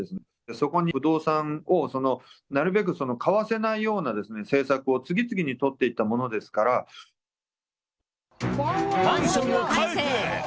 そこに不動産をなるべく買わせないような政策を次々に取っていっマンションを返せ！